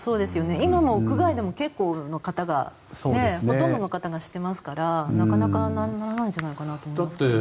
今も屋外でも結構の方がほとんどの方がしてますからなかなか大変ではないかなと思いますが。